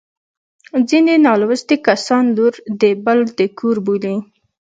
ځیني نالوستي کسان لور د بل د کور بولي